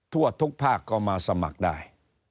ทั่วทุกภาคก็มาสมัครได้